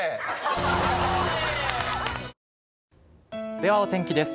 ではお天気です。